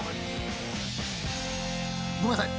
ごめんなさい。